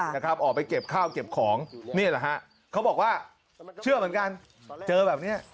นะครับออกไปเก็บข้าวเก็บของนี่แหละฮะเขาบอกว่าเชื่อเหมือนกันเจอแบบเนี้ย